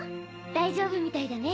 大丈夫みたいだね。